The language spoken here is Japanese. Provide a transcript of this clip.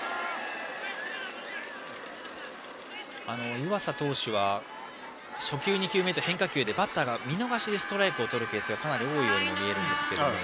湯浅投手は初球、２球目と変化球でバッターが見逃してストライクをとるケースが多いようにも見えますが。